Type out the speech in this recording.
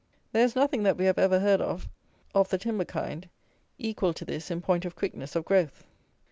There is nothing that we have ever heard of, of the timber kind, equal to this in point of quickness of growth.